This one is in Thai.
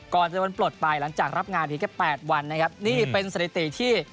ก่อนจะวันปลดไปหลังจากรับงานเพียงแค่แปดวันนะครับนี่เป็นสถิติที่